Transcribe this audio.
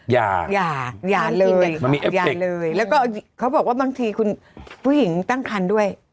ยายายาเลยมันมีเอฟเตคยาเลยแล้วก็เขาบอกว่าบางทีคุณผู้หญิงตั้งครรภ์ด้วย